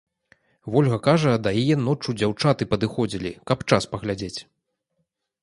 Вольга кажа, да яе ноччу дзяўчаты падыходзілі, каб час паглядзець.